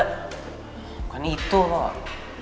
bukan itu kok